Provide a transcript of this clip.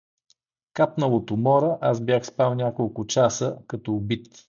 Капнал от умора, аз бях спал няколко часа, като убит.